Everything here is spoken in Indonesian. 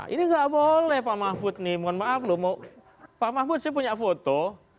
ini tidak boleh pak mahfud mohon maaf pak mahfud saya punya foto